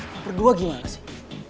lo berdua gimana sih